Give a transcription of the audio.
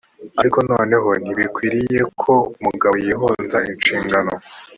ariko nanone ntibikwiriye ko umugabo yihunza inshingano